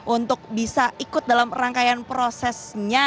untuk bisa ikut dalam rangkaian prosesnya